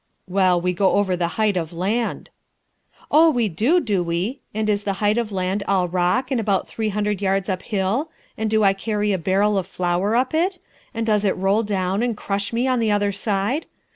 "Well, we go over the height of land." "Oh, we do, do we? And is the height of land all rock and about three hundred yards up hill? And do I carry a barrel of flour up it? And does it roll down and crush me on the other side?